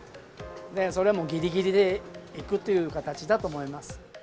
それはもうぎりぎりでいくという形だと思います。